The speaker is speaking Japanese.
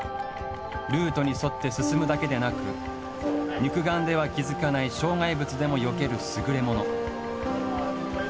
ルートに沿って進むだけでなく肉眼では気付かない障害物でもよける優れもの。